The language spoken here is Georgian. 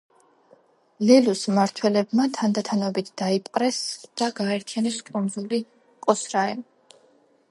ლელუს მმართველებმა თანდათანობით დაიპყრეს და გააერთიანეს კუნძული კოსრაე.